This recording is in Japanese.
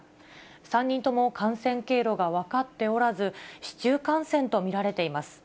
３人とも感染経路が分かっておらず、市中感染と見られています。